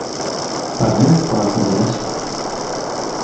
Pas même pour la condamnation.